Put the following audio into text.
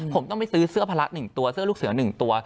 ผมต้องไปซื้อเสื้อพละ๑ตัวเสื้อลูกเสือ๑ตัว